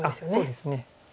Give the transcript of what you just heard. そうですね。